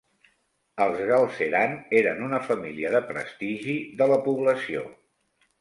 Els Galceran eren una família de prestigi de la població.